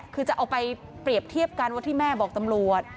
คือจะเอาไปเปรียบเทียบกันว่าที่แม่บอกตำรวจ